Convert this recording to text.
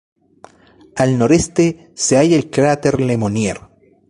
Al noreste se halla el cráter Le Monnier.